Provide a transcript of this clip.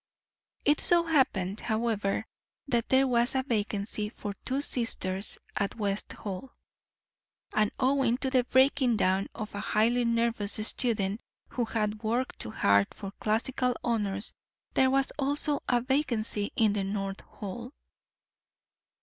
It so happened, however, that there was a vacancy for two sisters at West Hall, and owing to the breaking down of a highly nervous student who had worked too hard for classical honors, there was also a vacancy in the North Hall.